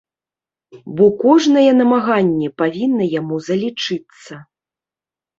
Бо кожнае намаганне павінна яму залічыцца.